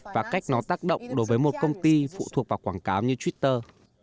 và cách nó tác động đối với một công ty phụ thuộc vào quảng cáo như twitter